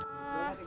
ibu pamit alaikum